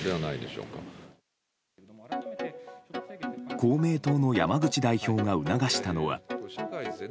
公明党の山口代表が促したのは。